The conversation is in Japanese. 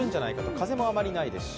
風もあまりないですし。